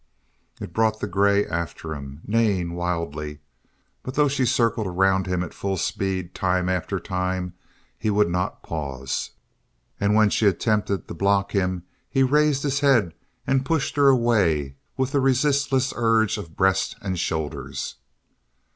It brought the grey after him, neighing wildly, but though she circled around him at full speed time after time, he would not pause, and when she attempted to block him he raised his head and pushed her away with the resistless urge of breast and shoulders.